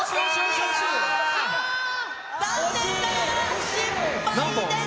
残念ながら失敗です。